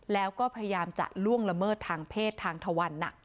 แล้วก็พยายามจะล่วงละเมิดทางเพศทางทวัน